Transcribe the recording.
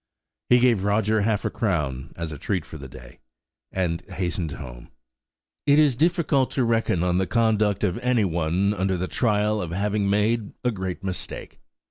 He gave Roger half a crown, as a treat for the day, and hastened home. It is difficult to reckon on the conduct of any one under the trial of having made a great mistake.